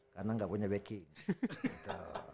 karena gak punya backing